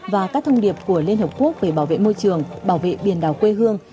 và các thông điệp của liên hợp quốc về bảo vệ môi trường bảo vệ biển đảo quê hương